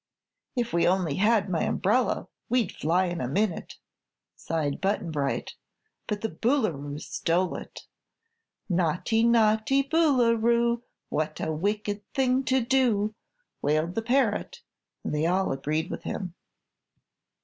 "If we only had my umbrella, we'd fly in a minute," sighed Button Bright. "But the Boolooroo stole it." "Naugh ty, naugh ty Boo loo roo; What a wicked thing to do!" wailed the parrot; and they all agreed with him.